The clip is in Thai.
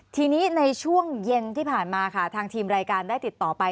ทีนี้ในช่วงเย็นที่ผ่านมาค่ะทางทีมรายการได้ติดต่อไป